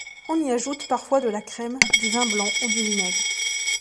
On y ajoute parfois de la crème, du vin blanc ou du vinaigre.